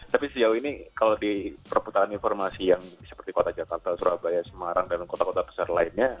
tapi sejauh ini kalau di perputaran informasi yang seperti kota jakarta surabaya semarang dan kota kota besar lainnya